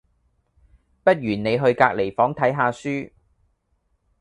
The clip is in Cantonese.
不如你去隔離房睇吓書